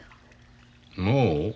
もう？